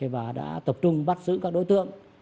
và đã tập trung bắt giữ các đối tượng